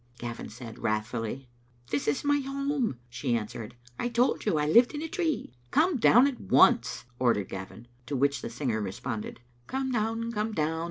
Gavin said, wrathfully. "This is my home," she answered. "I told you I lived in a tree." "Comedown at once," ordered Gavin. To which the singer responded— "*Come down, come down.